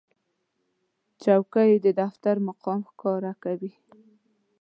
چوکۍ د دفتر مقام ښکاره کوي.